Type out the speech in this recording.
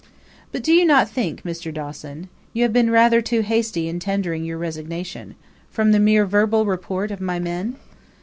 "But do you not think, Mr. Dawson, you have been rather too hasty in tendering your resignation, from the more verbal report of my men?"